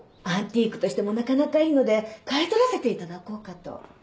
アンティークとしてもなかなかいいので買い取らせていただこうかと。